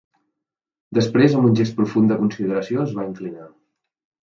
Després, amb un gest profund de consideració, es va inclinar.